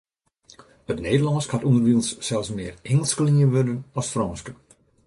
It Nederlânsk hat ûnderwilens sels mear Ingelske lienwurden as Frânske.